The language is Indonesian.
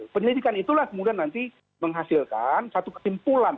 penyelidikan itulah kemudian nanti menghasilkan satu kesimpulan